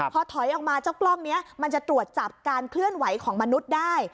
พอถอยออกมาเจ้ากล้องนี้มันจะตรวจจับการเคลื่อนไหวของมนุษย์ได้